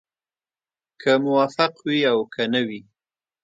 که موفق وي او که نه وي.